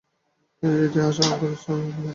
তিনি ইংরেজির ইতিহাস এবং অঙ্কশাস্ত্র শিখেন।